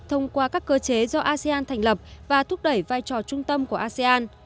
thông qua các cơ chế do asean thành lập và thúc đẩy vai trò trung tâm của asean